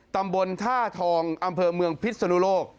ตำบลท่าทองอำเภอเมืองพิษนุโลก